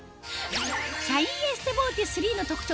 シャインエステボーテ３の特徴